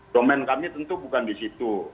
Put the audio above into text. domen kami tentu bukan di situ